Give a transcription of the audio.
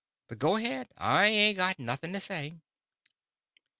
But go ahead, I ain't got nothing to say."